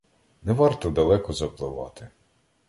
Не варто далеко запливати